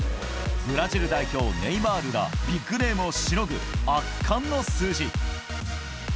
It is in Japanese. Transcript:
ブラジル代表、ネイマールらビッグネームをしのぐ圧巻の数字。